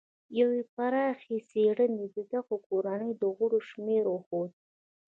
یوې پراخې څېړنې د دغې کورنۍ د غړو شمېر وښود.